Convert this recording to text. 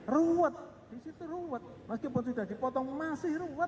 ruwet di situ ruwet meskipun sudah dipotong masih ruwet